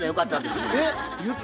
えっ？